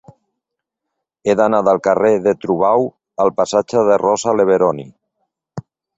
He d'anar del carrer de Travau al passatge de Rosa Leveroni.